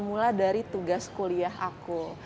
mulai dari tugas kuliah aku